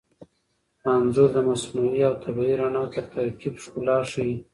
انځور د مصنوعي او طبیعي رڼا تر ترکیب ښکلا ښيي.